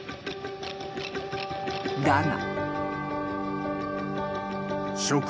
［だが］